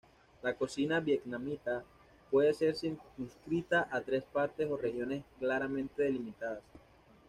La cocina vietnamita puede ser circunscrita a tres partes o regiones claramente delimitadas.